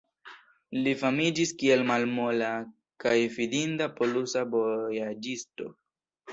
Li famiĝis kiel malmola kaj fidinda polusa vojaĝisto.